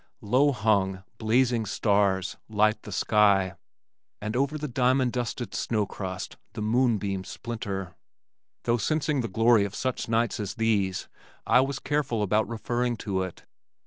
Low hung, blazing, the stars light the sky, and over the diamond dusted snow crust the moonbeams splinter. Though sensing the glory of such nights as these I was careful about referring to it.